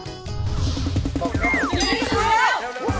นี่คือ